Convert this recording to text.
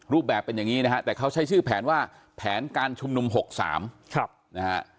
รูปแบบเป็นอย่างนี้นะฮะแต่เขาใช้ชื่อแผนว่าแผนการชุมนุม๖๓นะฮะ